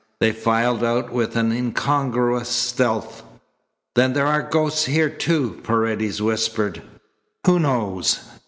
They filed out with an incongruous stealth. "Then there are ghosts here, too!" Paredes whispered. "Who knows?"